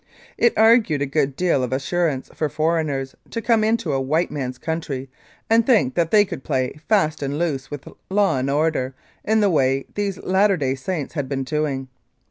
It argued a good deal of assurance for foreigners to come into a white man's country and think that they could play fast and loose with law and order in the way these Latter Day Saints had been doing.